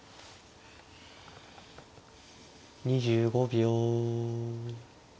２５秒。